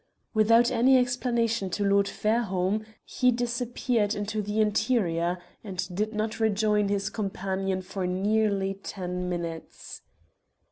Without any explanation to Lord Fairholme he disappeared into the interior, and did not rejoin his companion for nearly ten minutes.